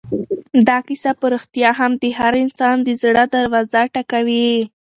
دا کیسه په رښتیا هم د هر انسان د زړه دروازه ټکوي.